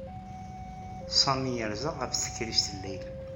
Sami yerza ɣef tekrict n Layla.